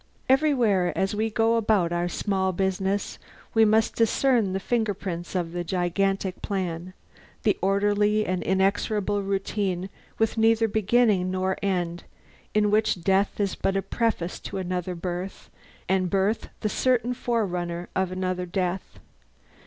Everywhere, as we go about our small business, we must discern the fingerprints of the gigantic plan, the orderly and inexorable routine with neither beginning nor end, in which death is but a preface to another birth, and birth the certain forerunner of another death.